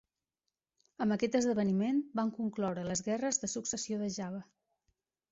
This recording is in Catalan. Amb aquest esdeveniment van concloure les guerres de successió de Java.